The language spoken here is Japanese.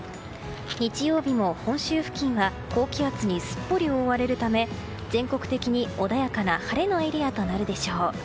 日曜日も本州付近は高気圧にすっぽり覆われるため全国的に穏やかな晴れのエリアとなるでしょう。